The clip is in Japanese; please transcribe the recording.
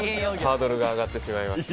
ハードルが上がってしまいました。